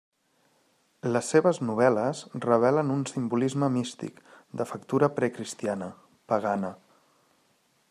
Les seves novel·les revelen un simbolisme místic, de factura precristiana, pagana.